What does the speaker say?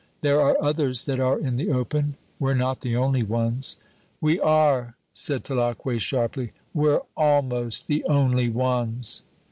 "There are others that are in the open. We're not the only ones." "We are!" said Tulacque, sharply; "we're almost the only ones!"